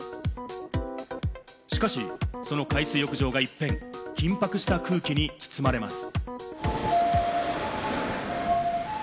しかしその海水浴場が一変、緊迫した空気に包まれます。